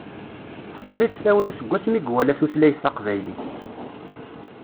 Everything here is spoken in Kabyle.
Teṭṭef-it tawla seg asmi i iwala tutlayt taqbaylit.